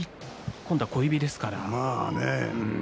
今度は右の小指ですからね。